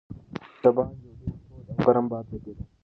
د باندې یو ډېر تود او ګرم باد لګېده.